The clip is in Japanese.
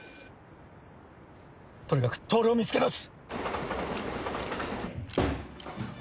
とにかく透を見つけ出す！